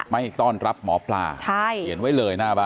ไม่ต้อนรับหมอปลาเขียนไว้เลยหน้าบ้าน